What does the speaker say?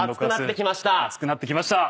暑くなってきました。